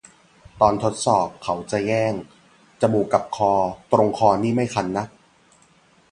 ตอนทดสอบเขาจะแย่ง จมูกกับคอ ตรงคอนี่ไม่คันนะ